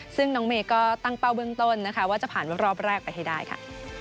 ซึ่งน้องเมย์ก็ตั้งเป้าเบื้องต้นนะคะว่าจะผ่านรอบแรกไปให้ได้ค่ะ